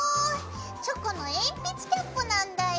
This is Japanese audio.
チョコの鉛筆キャップなんだよ。